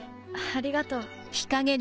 ありがとう。